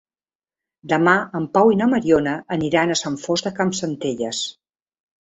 Demà en Pau i na Mariona aniran a Sant Fost de Campsentelles.